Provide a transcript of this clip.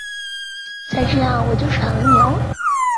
再这样我就甩了你唷！